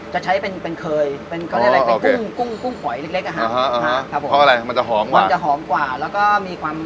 ครับผมเพราะอะไรมันจะหอมมากมันจะหอมกว่าแล้วก็มีความ